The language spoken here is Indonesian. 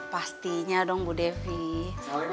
pastinya dong budena